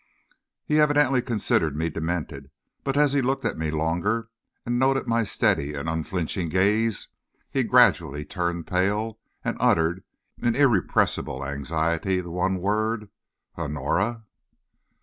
He evidently considered me demented, but as he looked at me longer, and noted my steady and unflinching gaze, he gradually turned pale, and uttered, in irrepressible anxiety, the one word "Honora!"